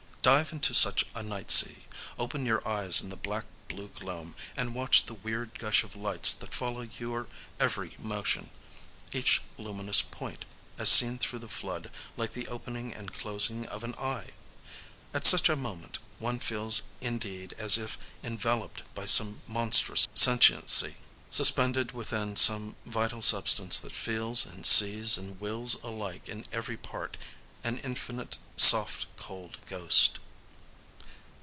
Dive into such a night sea;—open your eyes in the black blue gloom, and watch the weird gush of lights that follow your every motion: each luminous point, as seen through the flood, like the opening and closing of an eye! At such a moment, one feels indeed as if enveloped by some monstrous sentiency,—suspended within some vital substance that feels and sees and wills alike in every part, an infinite soft cold Ghost.